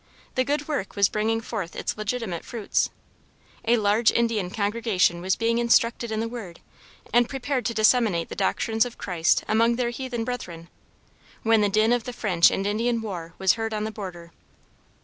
The good work was bringing forth its legitimate fruits. A large Indian congregation was being instructed in the Word and prepared to disseminate the doctrines of Christ among their heathen brethren, when the din of the French and Indian war was heard on the border.